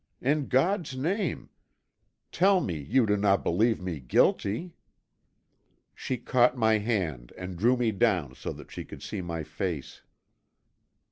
In God's name, tell me you do not believe me guilty!" She caught my hand and drew me down so that she could see my face.